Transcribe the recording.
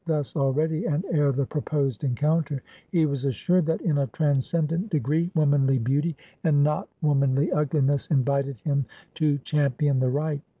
Thus, already, and ere the proposed encounter, he was assured that, in a transcendent degree, womanly beauty, and not womanly ugliness, invited him to champion the right.